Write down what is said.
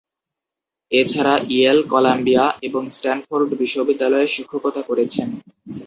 এছাড়া Yale, Columbia এবং Stanford বিশ্ববিদ্যালয়ে শিক্ষকতা করেছেন।